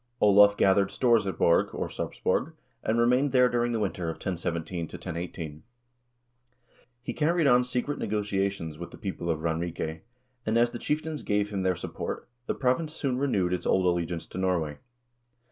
Olav gathered stores at Borg, or Sarpsborg, and remained there during the winter of 1017 1018. He carried on secret negotiations with the people in Ranrike, and as the chieftains gave him their support, the province soon renewed its old allegiance to Norway.